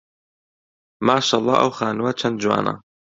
ماشەڵڵا ئەو خانووە چەند جوانە.